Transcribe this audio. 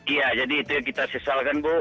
iya jadi itu yang kita sesalkan bu